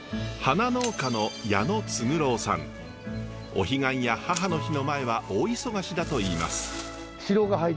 お彼岸や母の日の前は大忙しだといいます。